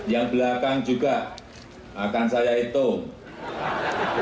yang belakang juga akan saya hitung